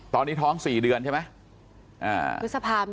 ตอนนี้ท้อง๔เดือนใช่ไหม